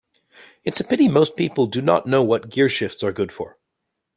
It's a pity most people do not know what gearshifts are good for.